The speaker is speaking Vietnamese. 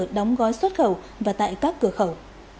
cơ sở đóng gói xuất khẩu và tại các cửa khẩu